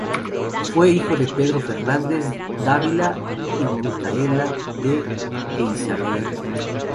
Fue hijo de Pedro Fernández Dávila y Micaela de Eyzaguirre.